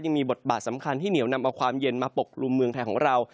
ยังมีบทบาทสำคัญที่เหนียวนำเอาความเย็นมาปกกลุ่มเมืองไทยของเรา